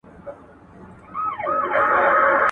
ولي اقتصاد د خلګو د هوسایني لپاره مهم رول لوبوي؟